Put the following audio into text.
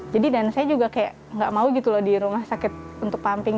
jadi dan saya juga kayak nggak mau gitu loh di rumah sakit untuk pumping